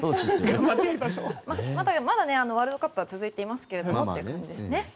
まだワールドカップは続いてますけどってことですね。